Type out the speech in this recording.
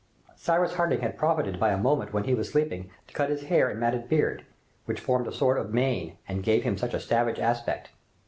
Cyrus Harding had profited by a moment when he was sleeping, to cut his hair and matted beard, which formed a sort of mane and gave him such a savage aspect.